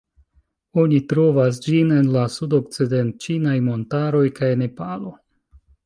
Oni trovas ĝin en la Sudokcident-ĉinaj Montaroj kaj Nepalo.